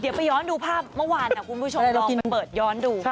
เดี๋ยวไปย้อนดูภาพเมื่อวานนะคุณผู้ชมลองเปิดย้อนดู